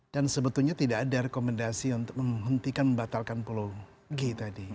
dan sebetulnya tidak ada rekomendasi untuk menghentikan membatalkan pulau g tadi